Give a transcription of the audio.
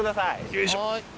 よいしょ。